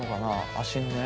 足のね。